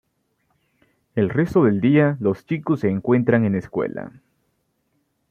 El resto del día los chicos se encuentran en la escuela.